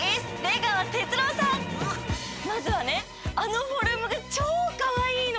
まずはねあのフォルムがちょうかわいいの！